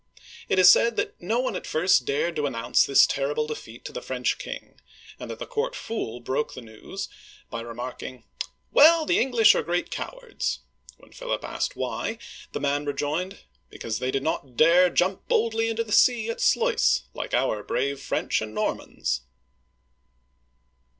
It is said that no one at first dared to announce this terrible defeat to the French king, and that the court fool broke the news by remarking, " Well ! the English are great cowards !" When Philip asked why, the man rejoined, " Because they did not dare jump boldly into the sea, at Sluis, like our brave French and Normans